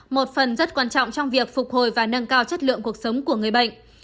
một phần rất quan trọng trong việc phục hồi và nâng cao chất lượng cuộc sống của người bệnh